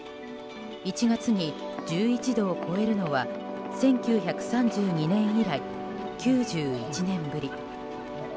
１月に１１度を超えるのは１９３２年以来、９１年ぶり。